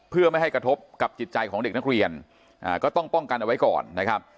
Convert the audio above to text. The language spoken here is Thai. เพื่อไม่ให้กระทบกับจิตใจของเด็กนักเรียนก็ต้องป้องกันเอาไว้ก่อนนะครับ